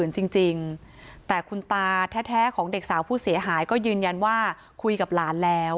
จริงแต่คุณตาแท้ของเด็กสาวผู้เสียหายก็ยืนยันว่าคุยกับหลานแล้ว